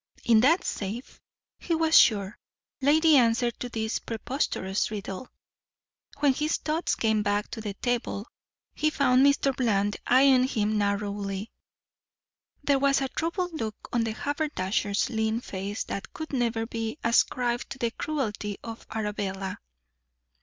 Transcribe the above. In that safe, he was sure, lay the answer to this preposterous riddle. When his thoughts came back to the table he found Mr. Bland eying him narrowly. There was a troubled look on the haberdasher's lean face that could never be ascribed to the cruelty of Arabella.